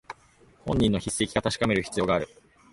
本人の筆跡か確かめる必要がある